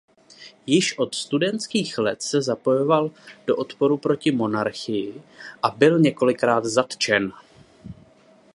Již od studentských let se zapojoval do odporu proti monarchii a byl několikrát zatčen.